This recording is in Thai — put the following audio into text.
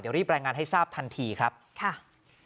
เดี๋ยวรีบแปลงงานให้ทราบทันทีครับค่ะค่ะ